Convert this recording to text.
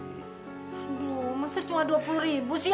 aduh maksudnya cuma dua puluh ribu sih